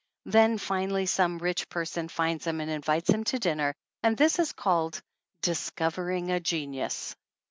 Then finally some rich person finds him and invites him to dinner, and this is called "discovering a genius."